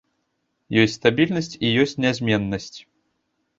Ёсць стабільнасць і ёсць нязменнасць.